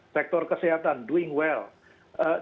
sektor kesehatan melakukan dengan baik